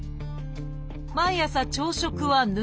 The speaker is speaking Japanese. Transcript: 毎朝朝食は抜き。